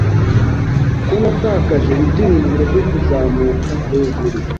Ko natakaje ibyiringiro byo kuzamuka hejuru